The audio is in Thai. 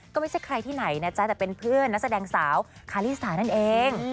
ก็ไม่ใช่ใครที่ไหนนะจ๊ะแต่เป็นเพื่อนนักแสดงสาวคาริสานั่นเอง